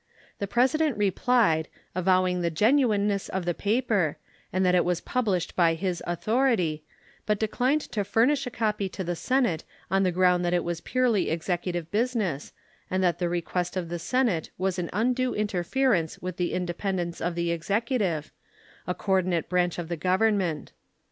The President replied, avowing the genuineness of the paper and that it was published by his authority, but declined to furnish a copy to the Senate on the ground that it was purely executive business, and that the request of the Senate was an undue interference with the independence of the Executive, a coordinate branch of the Government.